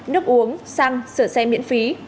nước uống xăng sửa xe miễn phí